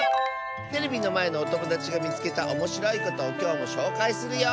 テレビのまえのおともだちがみつけたおもしろいことをきょうもしょうかいするよ！